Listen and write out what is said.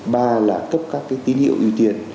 ba là cấp các tín hiệu ưu tiện